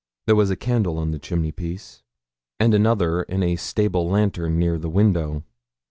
There was a candle on the chimneypiece, and another in a stable lantern near the window.